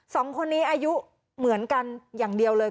สองคนนี้อายุเหมือนกันอย่างเดียวเลย